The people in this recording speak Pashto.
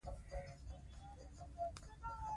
زه به دا پوښتنه له شاهانو کوله.